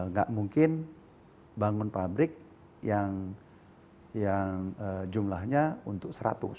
nggak mungkin bangun pabrik yang jumlahnya untuk seratus